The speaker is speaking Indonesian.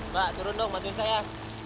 mbak turun dong maksudnya saya